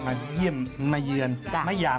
มาเยี่ยมมาเยือนมายาม